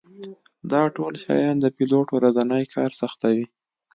دا ټول شیان د پیلوټ ورځنی کار سختوي